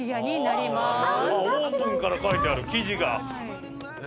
オープンから書いてある記事が。